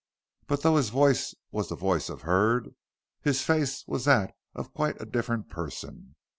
But though his voice was the voice of Hurd, his face was that of quite a different person.